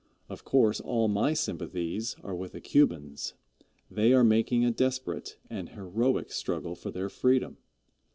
Of course, all my sympathies are with the Cubans. They are making a desperate an heroic struggle for their freedom.